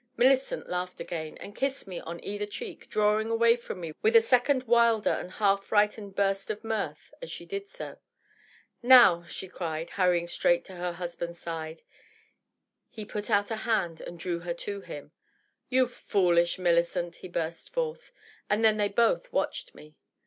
Milllicent laughed again, and kissed me on either cheek, drawing away from me with a second wilder and half frightened burst of mirth Vol. XXXIX.— 39 594 DOUGLAS DVANE. as she did so, ^^Now I" she cried, hurrying straight to her husband^s side. He put out a hand and drew her to him. "You foolish Millicentr* he burst forth. And then they both watched me.